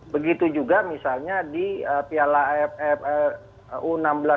begitu juga misalnya di piala u enam belas dua ribu sembilan belas